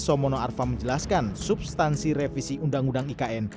arso mono arfa menjelaskan substansi revisi undang undang ikn